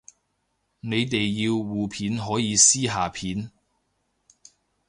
你哋要互片可以私下片